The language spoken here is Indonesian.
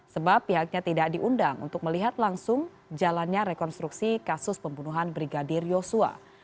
sebab pihaknya tidak diundang untuk melihat langsung jalannya rekonstruksi kasus pembunuhan brigadir yosua